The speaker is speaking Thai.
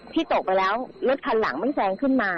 ตกไปแล้วรถคันหลังมันแซงขึ้นมา